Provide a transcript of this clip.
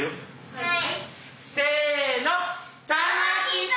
はい。